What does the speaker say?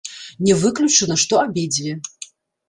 Не выключана, што абедзве.